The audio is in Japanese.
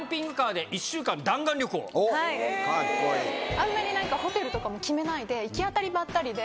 あんまり何かホテルとかも決めないで。